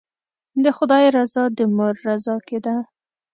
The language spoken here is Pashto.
د خدای رضا د مور رضا کې ده.